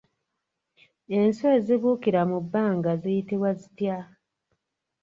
Enswa ezibuukira mu bbanga ziyitibwa zitya?